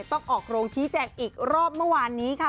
ต้องออกโรงชี้แจงอีกรอบเมื่อวานนี้ค่ะ